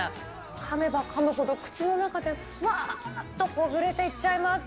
かめばかむほど口の中でふわーっとほぐれていっちゃいます。